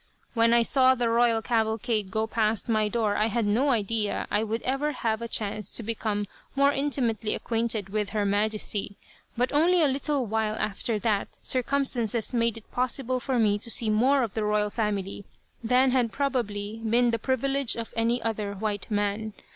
When I saw the royal cavalcade go past my door I had no idea I would ever have a chance to become more intimately acquainted with Her Majesty, but only a little while after that circumstances made it possible for me to see more of the royal family than had probably been the privilege of any other white man.